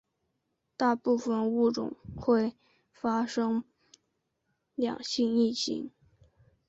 大部份物种会发生两性异形。